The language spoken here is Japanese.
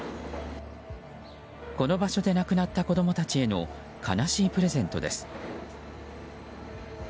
この場所で亡くなった子供たちへの悲しいプレゼントです。